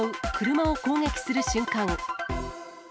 車を攻撃する瞬間。